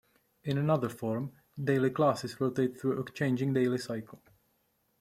In another form, daily classes rotate through a changing daily cycle.